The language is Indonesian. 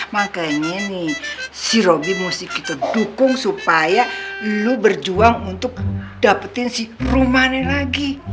makanya nih si robi mesti kita dukung supaya lo berjuang untuk dapetin si rumane lagi